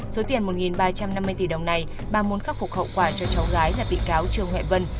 số tiền một ba trăm năm mươi tỷ đồng này bà muốn khắc phục hậu quả cho cháu gái là bị cáo trương huệ vân